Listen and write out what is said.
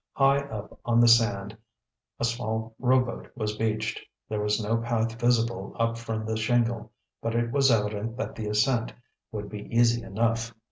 High up on the sand a small rowboat was beached. There was no path visible up from the shingle, but it was evident that the ascent would be easy enough.